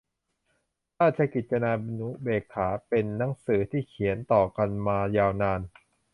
ราชกิจจานุเบกษา เป็นหนังสือที่เขียนต่อกันมายาวนาน